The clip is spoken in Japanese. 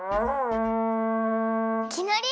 いきなり！？